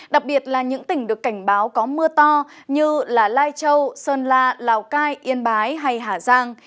đặc biệt là những tỉnh được cảnh báo có mưa to như lai châu sơn la lào cai yên bái hay hà giang